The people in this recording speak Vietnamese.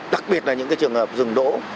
đặc biệt là những trường hợp rừng đỗ